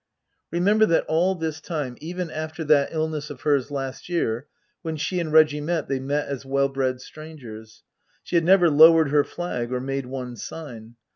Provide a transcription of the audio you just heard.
Remember that all this time, even after that illness of hers last year, when she and Reggie met they met as well bred strangers. She had never lowered her flag or made one sign.